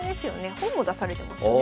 本も出されてますよね